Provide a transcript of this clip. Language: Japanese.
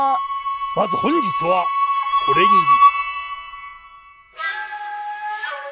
まず本日はこれぎり。